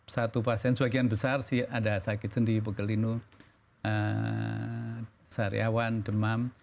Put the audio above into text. satu pasien sebagian besar sih ada sakit sendi pegelinu sariawan demam